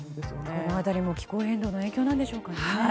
この辺りも気候変動の影響なんですかね。